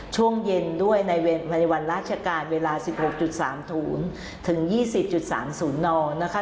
ช่วงเย็นด้วยในในวันราชการเวลาสิบหกจุดสามธุนถึงยี่สิบจุดสามศูนย์นอนนะคะ